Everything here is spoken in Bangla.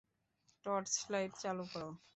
টর্চলাইট চালু করো।